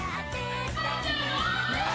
えっ！